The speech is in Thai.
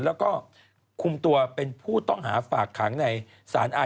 แล้วก็คุมตัวเป็นผู้ต้องหาฝากขังในสารอาท